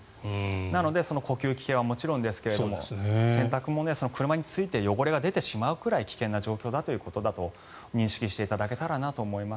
なので呼吸器系はもちろんですが洗濯物や車についている汚れが出てしまう危険な状況だと認識していただけたらなと思います。